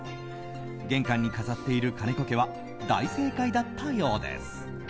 玄関に飾っている金子家は大正解だったようです。